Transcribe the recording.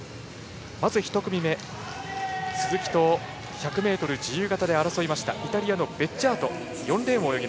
まず１組目、鈴木と１００ｍ自由形で争いましたイタリアのベッジャートが４レーン。